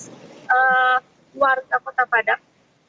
saya melihat awareness warga kota padang